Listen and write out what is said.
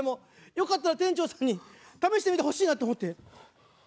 よかったら店長さんに試してみてほしいなと思って。